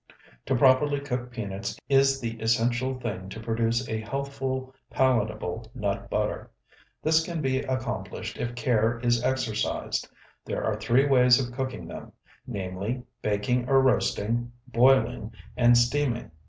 To properly cook peanuts is the essential thing to produce a healthful, palatable nut butter. This can be accomplished if care is exercised. There are three ways of cooking them: namely, baking or roasting, boiling, and steaming.